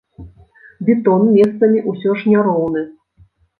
Бетон месцамі ўсё ж няроўны.